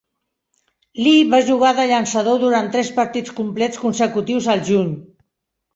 Lee va jugar de llançador durant tres partits complets consecutius al juny.